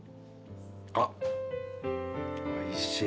あっおいしい。